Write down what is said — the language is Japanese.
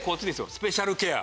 スペシャルケア。